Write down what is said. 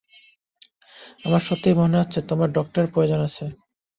আমার সত্যিই মনে হচ্ছে তোমার ডক্টরের প্রয়োজন আছে।